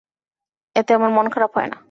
এতে আমার মন খারাপ হয় না।